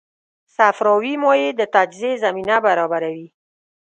صفراوي مایع د تجزیې زمینه برابروي.